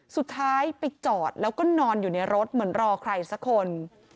สุดท้ายไปจอดแล้วก็นอนอยู่ในรถเหมือนรอใครสักคน